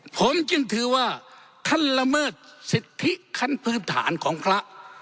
ผมจึงถือว่าท่านละเมิดสิทธิขั้นพื้นฐานของพระ